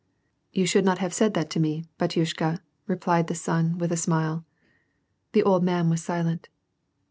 " You should not have said that to me, batyushka," replied the son, with a smile. The old man was silent.